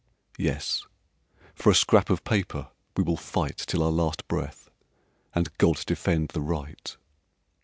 "Yes, for a scrap of paper we will fight Till our last breath, and God defend the right!